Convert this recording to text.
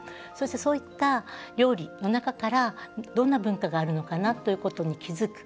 そういった料理の中からどんな文化があるのかなということに気付く。